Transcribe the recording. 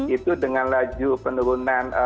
itu dengan laju penurunan